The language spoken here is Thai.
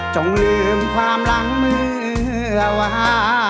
จงลืมความหลังเมื่อวา